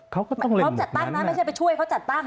เขาก็ต้องพร้อมจัดตั้งนะไม่ใช่ไปช่วยเขาจัดตั้ง